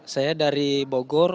saya dari bogor